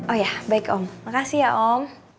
oh ya baik om makasih ya om